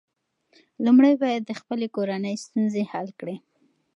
لومړی باید د خپلې کورنۍ ستونزې حل کړې.